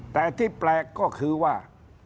แต่ที่แปลกก็คือว่า